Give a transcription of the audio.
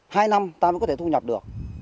hai năm ta mới có thể thu nhập được